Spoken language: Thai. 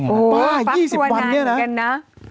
พักตัวนานอยู่กันนะ